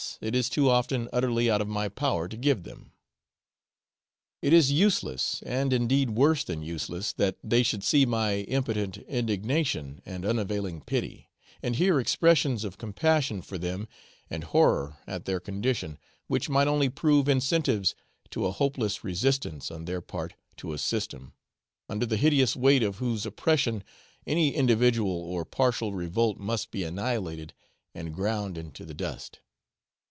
it is too often utterly out of my power to give them. It is useless, and indeed worse than useless, that they should see my impotent indignation and unavailing pity, and hear expressions of compassion for them, and horror at their condition, which might only prove incentives to a hopeless resistance on their part to a system, under the hideous weight of whose oppression any individual or partial revolt must be annihilated and ground into the dust.